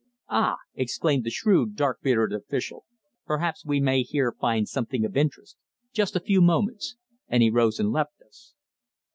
"Ah!" exclaimed the shrewd, dark bearded official. "Perhaps we may here find something of interest. Just a few moments," and he rose and left us.